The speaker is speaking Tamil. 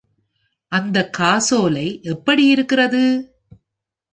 அந்த காசோலை எப்படி இருக்கிறது?